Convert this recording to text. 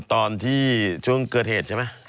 ตอนที่ช่วงเกิดเหตุใช่ไหม